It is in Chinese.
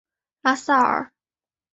拉塞尔。